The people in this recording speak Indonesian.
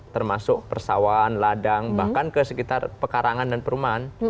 termasuk persawan ladang bahkan ke sekitar pekarangan dan perumahan